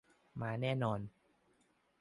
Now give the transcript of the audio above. มาแน่นอน